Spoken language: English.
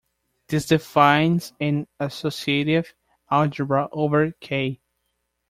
This defines an associative algebra over "K".